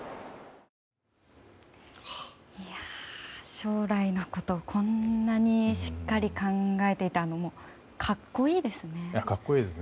将来のことこんなにしっかり考えていて格好いいですね。